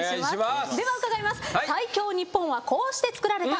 最強日本はこうして作られた。